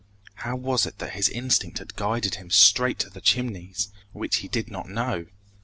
How was it that his instinct had guided him straight to the Chimneys, which he did not know?